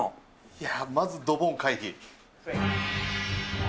いやまずドボン回避。